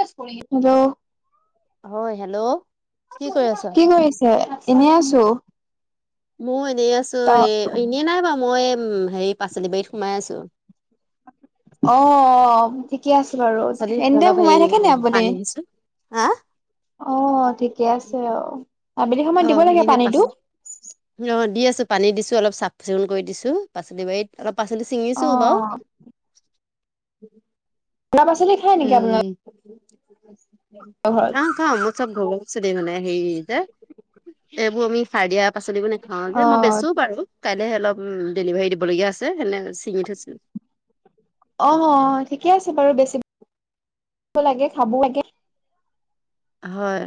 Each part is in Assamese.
হেল্ল' হয় হেল্ল' কি কৰি আছা? কি কৰিছে এনেই আছো মই এনেই আছো অ এ এনেই নাই বাৰু মই উম হেৰি পাচলি বাৰীত সোমাই আছো অ ঠিকে আছে বাৰু পাচলি এনেদৰে অলপ সোমাই হেৰি থাকে ন আপুনি পানী দিছো হা অ ঠিকে আছে অ আবেলি অ সময়ত দিব লাগে সেই পাচ পানীতো। অ দি আছো পানী দিছো অলপ চা। চিকুণ কৰি দিছো পাচলি বাৰীত অলপ পাচলি অ চিঙিছো বাৰু। উ শুধা পাচলি খায় নেকি আপোনালোক খাও খাও মোৰ চব ঘৰ মানে হেৰি যে এইবোৰ আমি হাৰ দিয়া। পাচলিবোৰ নাখাওঁ যে মই বেচো অ বাৰু। কাইলৈহে অলপ ডেলিভাৰী দিবলগীয়া আছে সেনে ছিঙি থৈছো। অ অ ঠিকে আছে বাৰু বেছি লাগে খাব লাগে। হয়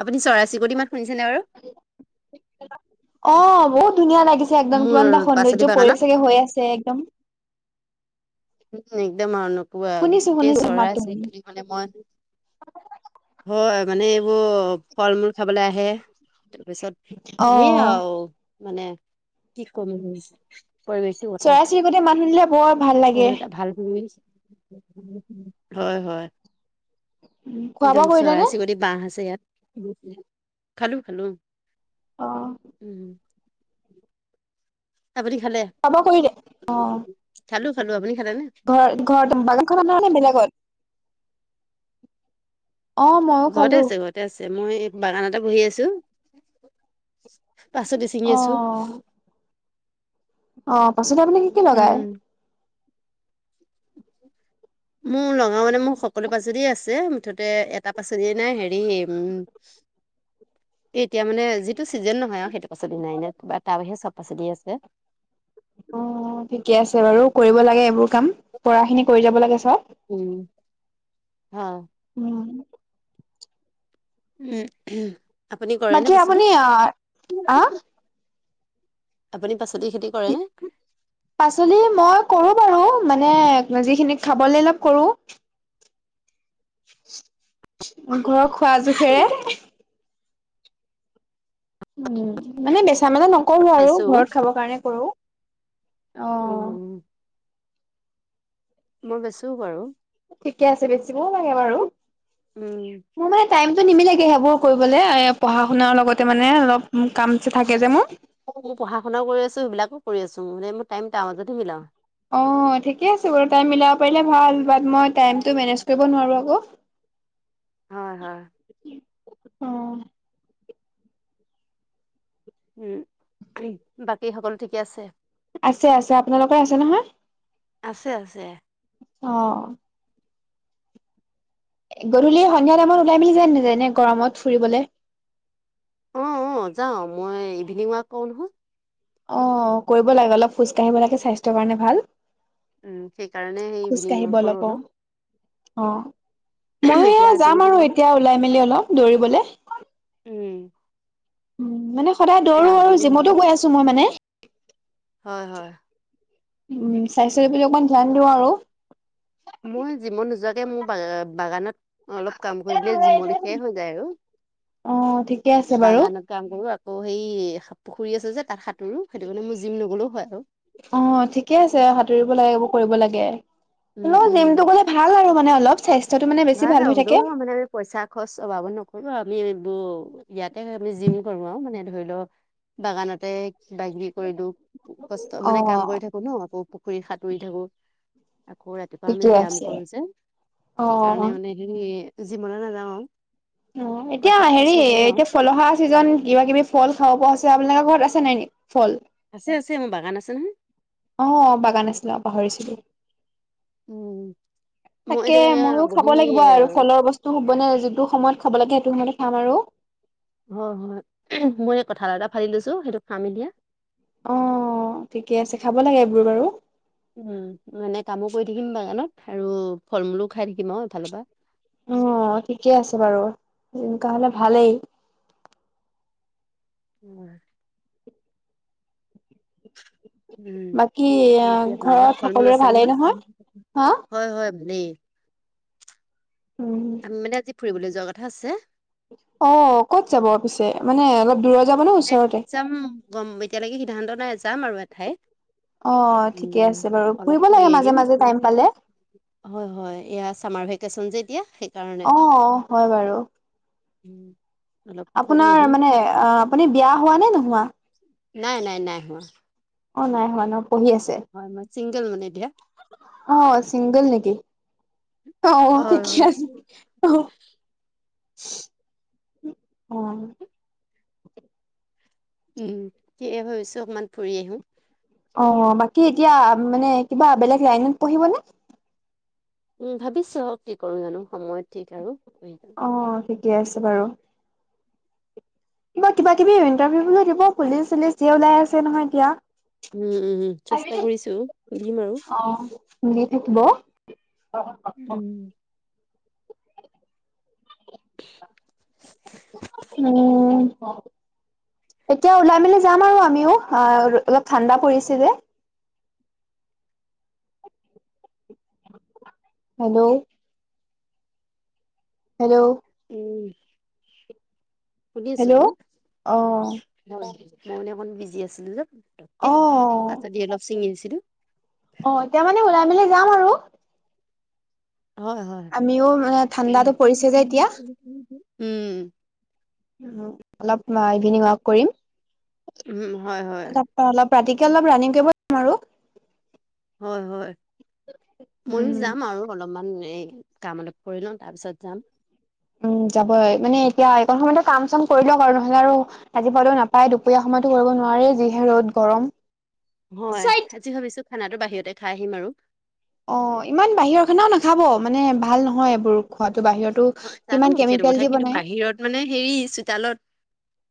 আপুনি চৰাই চিকটি মাত শুনিছেনে বাৰু। অ বহুত ধুনীয়া লাগিছে একদম মোৰ কিমান এটা পাচলি সৌন্দৰ্য পৰি বাগানত চাগে হৈ আছে একদম। উম একদম আৰু নপোৱা শুনিছো গোটেই শুনিছো চৰাই মাতটো চিৰিকটি মানে মই, হয় মানে এইবোৰ ফল মূল খাবলৈ আহে তাৰপিছত অ ধেৰ আৰু, মানে কি কম, পৰিৱেশটোৰ কথা চৰাই চিৰিকটি মাত শুনিলে বৰ ভাল লাগে। বহুত এটা ভাল ভূমিছ হয় হয়। খোৱা একদম বোৱা কৰিলে চৰাই নে? চিৰিকতি বাঁহ আছে ইয়াত খালো খালো। অ উম আপুনি খালে খোৱা বোৱা কৰিলে অ খালো খালো আপুনি? খালে নে ঘৰ ঘৰত বাগানখন নহ নে বেলেগত। অ মইয়ো ঘৰতে খালো। আছে ঘৰতে আছে মই বাগানতে বহি আছো। পাছতে ছিঙি আছো। অ', অ পাচলি আপুনি কি কি লগায়? উম মোৰ লগাও মানে মোৰ সকলো পাচলিয়ে আছে, মুঠতে এটা পাচলিয়ে নাই হেৰি উম। উ এ এতিয়া মানে যিটো চিজন নহয় আৰু সেইটো পাচলি নাই ন কা তাৰ বাহিৰে চব পাচলিয়ে আছে। [unintelligible] অ ঠিকে আছে বাৰু কৰিব লাগে এইবোৰ কাম পৰাখিনি কৰি যাব লাগে চব। অহ। উম। উম আপুনি কৰে বাকী ন আপুনি বচুদি। অ', আহ আপুনি পাছত। পাছলি মই কৰো বাৰু মানে যিখিনি খাবলৈ অলপ কৰো। ঘৰৰ খোৱা জোখেৰে। উম মানে বেছি ঠামেলা নকৰো আৰু বেচো ঘৰত খাব কাৰণে কৰো অ। উম মই বেছো বাৰু। ঠিকে আছে বেছিবও লাগে বাৰু। মোৰ মানে উম টাইমটো নিমিলেগে সেইবোৰ কৰিবলৈ এ পঢ়া শুনাৰ লগতে মানে অলপ কাম যে থাকে যে মোৰ। অ মই পঢ়াশুনাও কৰি আছো সেইবিলাকো কৰি আছো মানে মোৰ টাইম টা মাজতে মিলাও। অ ঠিকে আছে বাৰু টাইম মিলাব পাৰিলে ভাল মই টাইম টো মেনেজ কৰিব নোৱাৰো আকৌ। [unintelligible] হয় হয়। অ উম বাকী সকলো ঠিকে আছে আছে আছে আপোনালোকৰ আছে নহয়। আছে আছে। অ গধূলি সন্ধিয়া টাইমত ওলাই মেলি যাম দুজনীয়ে গৰমত ফুৰিবলে। অ অ যাওঁ মই ইভিনিং ৱাক কৰো নহয়। অ কৰিব লাগে অলপ খোজ কঢ়িব লাগে স্বাস্থ্যৰ কাৰণে ভাল। উম সেইকাৰণে সেই খোজ ইভিনিং কাঢ়িব ৱৰ্ক কৰো অ। অলপ। অ ময়ো এয়া এতিয়া যাম আজৰি আৰু সোমাও। এতিয়া ওলাই মেলি অলপ দৌৰিবলে। উম। উম মানে সদায় দৌৰো আৰু আজৰি হওঁ, জিমতো গৈ আছো মই মানে। হয় হয়। উম স্বাস্থ্যৰ প্ৰতি অকমান ধ্যান দিওঁ আৰু। মই জিমত নোযোৱাকে মোৰ বা বাগানত। অলপ কাম কৰি অ', দলে জিম লিখিয়াই হৈ যায় আৰু ঠিকে আছে বাৰু বাগানত কাম কৰো। অ সেই পুখুৰী আছে যে তাত সাঁতোৰো সেইটো কাৰণে মোৰ জিম নগলেও হয় আৰু। অ ঠিকে আছে সাঁতুৰিব লাগে। কৰিব লাগে উম, এনেও জিমটো গলে ভাল আৰু মানে অলপ স্বাস্থ্য। ন না সুধো মানে পইচা খৰচ অবাবত নকৰিব আমি এইবোৰ। ইয়াতে আমি জিম কৰো আৰু মানে ধৰি লও বাগানতে। বাগ কৰিলো কষ্ট মানে কাম কৰি অ', থাকো ন আকৌ পুখুৰী সাঁতুৰি থাকো। আকৌ ৰাতিপুৱা ঠিকে আমি ব্যায়াম আছে কৰো যে সেইকাৰণে অ', মানে সে জিমলৈ নাযাওঁ আৰু। অ এতিয়া পইচাটো খৰচ হেৰি নকৰো আৰু এতিয়া ফল অহা চিজন কিবা কিবি ফল খাব পৰা। আপোনালোকৰ ঘৰত আছে নাই ন ফল? আছে আছে মোৰ বাগান আছে নহয়। আহ বাগান আছিলে পাহৰিছিলোয়ে। উম। মই তাকে এতিয়া ময়ো খাব বহি লাগিব আৰু ফলৰ বস্তু হুবনে যিটো সময়ত। খাব লাগে সেইটো সময়তে খাম আৰু। হয় হয় মই এই কঠাল এটা ফালি লৈছো সেইটো খাম এতিয়া। অ ঠিকে আছে খাব লাগে এইবোৰ বাৰু উম এনে কামো কৰি থাকিম বাগানত আৰু ফল মূলো খাই থাকিম আৰু এফালৰ পৰা অ ঠিকে আছে বাৰু তেনেকা হ'লে ভালেই উম বাকী উম আপোনাৰ ঘৰত ফল মূল আছে নহয় হা? হয় হয় মানেই উম। আমি মানে আজি ফুৰিবলৈ যোৱাৰ কথা আছে। অ ক'ত যাব পিছে মানে অলপ দূৰত। যাব নে গ ওচৰতে? যাম গম এতিয়ালৈকে সিদ্ধান্ত নাই যাম আৰু এঠাই। অ' ঠিকে আছে বাৰু অলপ ফুৰিব ফুৰি লাগে মাজে আহিম মাজে টাইম পালে। হয় হয় এয়া। ছামাৰ ভেকেশ্যন যে। এতিয়া সেইকাৰণে অ হয় বাৰু। উম, অলপ ফুৰি আপোনাৰ আহিম। মানে আহ আপুনি বিয়া হোৱা নে নোহোৱা? নাই নাই নাই হোৱা। অ নাই হোৱা ন। পঢ়ি আছে হয়, মই ছিংগল মানে এতিয়া। অ চিংগল নেকি? অ হয় থিকে হয়। আছি অ। অ। উম সেয়ে ভাবিছো অকমান ফুৰি আহো। অ বাকী এতিয়া মানে কিবা বেলেগ লাইনত পঢ়িবনে? উম, ভাবিছো আহক কি কৰো জানো সময়ত ঠিক আৰু। কৰি যাম। অ, ঠিকে আছে বাৰু। কিবা কিবা-কিবি ইণ্টাৰভিউ বুলি দিব পুলিচ- চলিছ ধেই ওলাই আছে নহয় এতিয়া। উম, উম উ চেষ্টা কৰিছো দিম আৰু। অ' দি থাকিব। উম। উম। এতিয়া ওলাই মেলি যাম আৰু আমিও আহ অলপ ঠাণ্ডা পৰিছে যে। হেল্ল'। হেল্ল'। উম। শুনি আছো হেল্ল' বাৰু। অ মই মানে অকমান বিজি আছিলো যে। অ তে তাৰছত অলপ ছিঙি আহছিলো। অ, এতিয়া মানে ওলাই মেলি যাম আৰু। হয় হয় আমিও মানে ঠাণ্ডাতো পৰিছে যে এতিয়া উম। অলপ ইভিনিং ৱাক কৰিম। উম, হয়, হয়। ৰাতিতে অলপ ৰানিং কৰিম আৰু। হয়, হয় ময়ো উম যাম আৰু অলপমান এই কাম অলপ কৰি লওঁ তাৰপিছত যাম। অ। যাবই মানে এতিয়া এইকণ সময়তো কাম চাম কৰি লওক আৰু নহলে আৰু আজি পালেও নাপায় দুপৰীয়া সময়তো কৰিব নোৱাৰো। মাৰে যিহে ৰ'দ গৰম। হয়, চাইট আজি ভাবিছো খানাো বাহিৰতে খাই আহিম আৰু। অ ইমান বাহিৰৰ খানাও নাখাব মানে ভাল নহয় এইবোৰ খোৱাত। বাহিৰো হয় জানো কিমান সেইটো কেমিকেল কথা দি কিন্তু বনাই। বাহিৰত মানে হেৰি চোতালত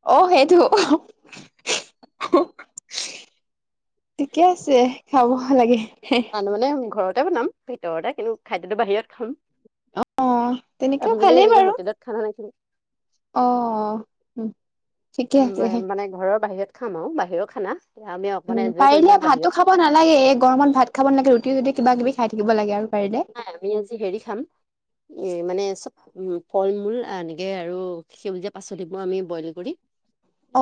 অ, সেইটো। ঠিকে আছে খাব ভাল লাগে। তান মানে আমি ঘৰতে বনাম ভিতৰতে কিন্তু খাদ্যটো বাহিৰত খাম। অ তেনেকেও আমি বুলি ভালেই এনেকে বাৰু হোটেলত খানা নাখিলো। অ, উম। উম, মানে ঘৰৰ বাহিৰত খাম আৰু বাহিৰৰ খানা আমি অকমান উম, এনজয় কৰিম পাৰিলে আৰু বাহিৰত ভাতো খাব নালাগে এই গৰমত ভাত খাব নালাগে ৰুটি ঝুটি কিবা কিবি খাই থাকিব লাগে আৰু। পাৰিলে হয়, আমি আজি হেৰী খাম এ মানে চব উম ফল - মূল এনেকে আৰু সেউজীয়া পাচলি বোৰ আমি বইল কৰি,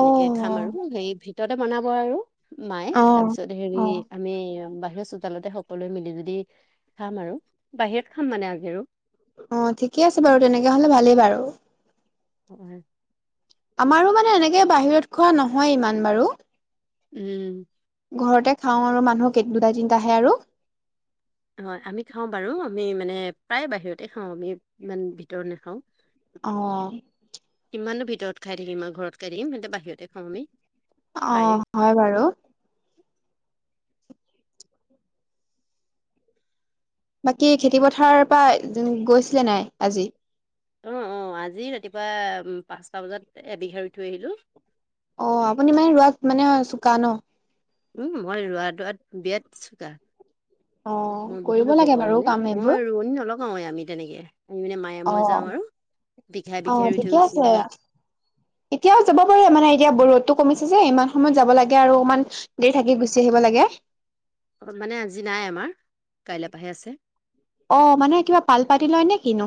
অ খাম আৰু সেই ভিতৰতে বনাব আৰু। মায়ে অ তাপিছত হেৰী অ আমি বাহি চোতালতে সকলোৱে মিলি জুলি খাম আৰু বাহিৰত খাম মানে আগেও। অ, ঠিকে আছে বাৰু তেনেকে হলে ভালেই বাৰু। অ। আমাৰো মানে এনেকে বাহিৰত খোৱা নহয় ইমান বাৰু। উম। ঘৰতে খাওঁ আৰু মানুহৰ কেই দুটা দিন আহে আৰু। হয়, আমি খাওঁ বাৰু আমি মানে প্ৰায় বাহিৰতে খাওঁ আমি ইমান ভিতৰত নাখাওঁ। অ। ইমানো ভিতৰত খাই থাকিম ঘৰত খাই থাকিম সহতে বাহিৰতে খওঁ আমি। অ, প্ৰায়ে হয় বাৰু। বাকী খেতি পথাৰৰ পৰা গৈছিলে নাই আজি? অ, অ আজি ৰাতিপুৱা উ পাঁচটা বজাত এবিঘা ৰুই থৈ আহিলো। অ, আপুনি মানে ৰোৱাত মানে চোকা ন? উম মই ৰোৱা দোৱাত বিয়াত চোকা। অ', মই বহুত কৰিব ৰুব লাগে পাওঁ বাৰু মানে কাম এইবোৰ মই ৰোৱনী নলগাওৱে আমি তেনেকে। আমি মানে মায়ে মই অ', যাওঁ আৰু বিঘাই অ', বিঘাই ৰুই ঠিকে থৈ গুচি আছে। আহি। এতিয়াও যাব পাৰে মানে এতিয়া বৰুত- ৰদটো কমিছে যে ইমান সময়ত যাব লাগে আৰু অকমান দেৰি থাকি গুচি আহিব লাগে। অঁ মানে আজি নাই আমাৰ, কাইলৈ পৰাহে আছে। অঁ মানে কিবা পাল পাতি লয় নে কিনো?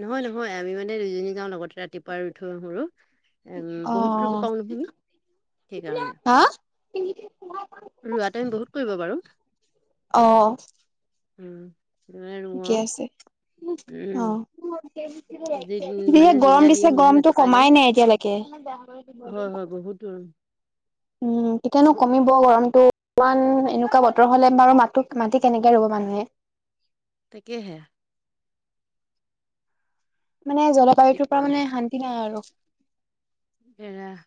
নহয় নহয় আমি মানে দুইজনী যাওঁ লগতে ৰাতিপুৱা ৰুই থৈ আহো আৰু। এম বহুত ৰুব পাওঁ নহয় আমি। সেইকাৰণে হা ৰুৱাটো আমি বহুত কৰিব পাৰোঁ। অঁ। ৰুৱাই ৰু আৱ, উম। অ', যি মানে যিহে যিদিনা গৰম দিয়ে দিছে সেইদিনাখন গৰমটো ৰাতিপুৱাই যাওঁ কমাই নাই এতিয়ালেকে। হয় হয় বহুত গৰম। উম কেতিয়ানো কমিব গৰমটো। ইমান এনেকুৱা বতৰ হ'লে বাৰু মাটটো মাটি কেনেকে ৰুব মানুহে। তাকেহে। মানে কি জলবায়ুটোৰ পৰা মানে শান্তি নাই আৰু। এৰাহ।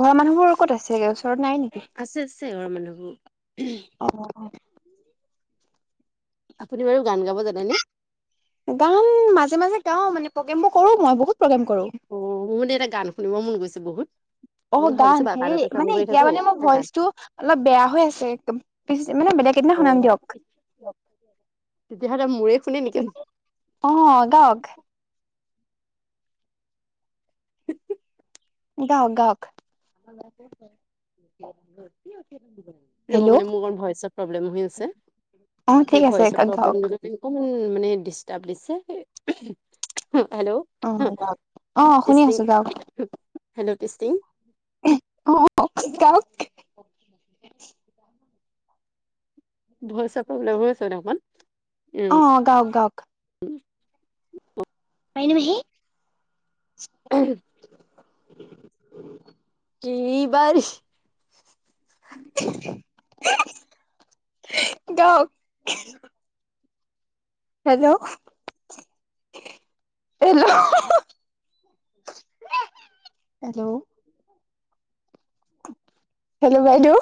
ঘৰৰ মানুহবোৰ ক'ত আছেগে? ওচ ওচৰত নাই নিকি? আছে আছে ঘৰৰ মানুহবোৰ অঁহ। আপুনি বাৰু গান গাব জানেনে? গান মাজে মাজে গাও মানে প্ৰগ্ৰেম বোৰ কৰোঁ মই বহুত প্ৰগ্ৰেম কৰো অঁ মোৰ মানে এটা গান শুনিব মন গৈছে বহুত। অঁ বুলি গান ভাবিছো বা সেই কাণতে কাম মানে কৰি এতিয়া থাকো মানে মোৰ এটা গান ভইচটো অলপ বেয়া হৈ আছে একদম মানে - বেলেগ এদিনা শুনাম দিয়ক। অ তেতিয়াহ'লে মোৰে শুনে নেকি অহ গাৱক। গাৱক গাৱক। ধৰিব মানে মোৰ অকণ ভইচত প্ৰব্লেম হৈ আছে। অ, ঠিক সেই আছে ভইচৰ গাওক। প্ৰব্লেমটো অকমান মানে ডিষ্টাৰ্ব দিছে। উমহ। হো হেল্ল অ, হো গাওক। অ, শুনি আছো টিষ্টিং, গাওক হো হেল্ল টিষ্টিং। অঁ কওঁক। ভয় চাপ অ, গাওক গাওক [unintelligible] মাইনু মাহি। উ। কিবাৰ- দক। Hello hello. হেল্ল'। হেল্ল' বাইদেউ,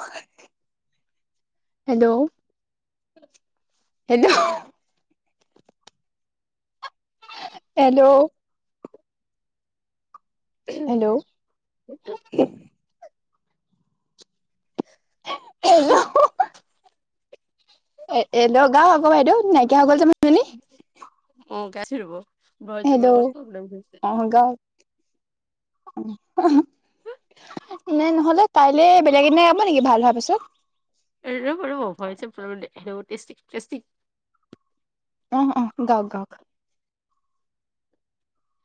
হেল্ল'। সেইটো। হেল্ল'। হেল্ল'। হেল্ল'। এ এ লগাওঁ আক বাইদেউ নাইকিয়া হৈ গ'ল যে মানুহজনী। হেল্ল' [unintelligible] উমহ। নাই নহ'লে কাইলে বেলেগ এদিনা যাব নেকি? ভাল হোৱাৰ পিছত। ৰব ৰব ভইচ প্ৰথমতে টেষ্টিং টেষ্টিং। অহ অহ গাৱক গাৱক।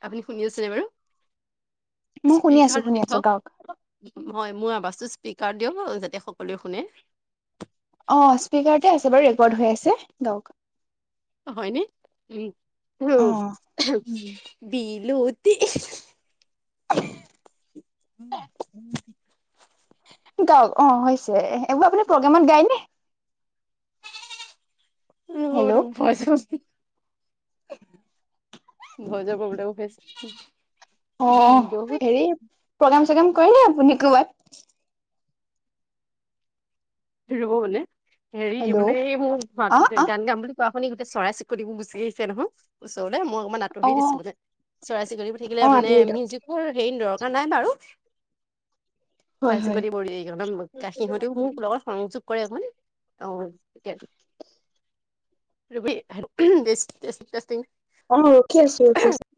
আপুনি শুনি আছেনে বাৰু? মই শুনি আছো স্পীকাৰটো শুনি দি আছো থৱক, গাওক ময় মোৰ আৱাজটো স্পীকাৰত দিয়ক যাতে সকলোৱে শুনে। অ স্পীকাৰতে আছে বাৰু ৰেকৰ্ড হৈ আছে গাৱক। অ হয়নে উম, উমহো অ উমহ। উম, বি লোতি, এহিহি উমহ। উম। গাওক অ হৈছে, এইবোৰ আপুনি প্ৰগ্ৰেমত গায়নে? হেল্ল' [unintelligible] ভজা জাব বোলে অকে অ, হেৰি প্ৰগ্ৰাম চগ্ৰাম কৰেলে আপুনি কবাত? ৰব মানে হেৰি হেল্ল' মানে এই মোৰ অ মাত অ গান গাম বুলি কোৱা- নি গোট চৰাই চিকটি বোৰ গুচি আহিছে নহয়, ওচৰলে মই অকমান অ আতৰি দিছিলো মানে। চৰাই চিকতী বোৰ অ থাকিলে মানে আবেলি দিয়ক মিউজিকৰ হেৰি দৰকাৰ নাই বাৰু। হয় চাই হয় চিৰিকতি [unintelligible] কাষিহঁতেও মোৰ সংযোগ কৰে মে অয ৰবি [unintelligible] অ ৰখি আছো ৰখি আছো